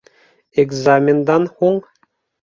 Экзамендан һуң